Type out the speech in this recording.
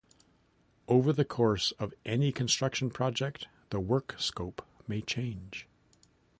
Over the course of any construction project, the work scope may change.